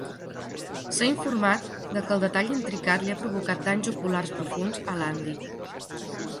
S'ha informat de que el detall intricat li ha provocat danys oculars profunds a Landy.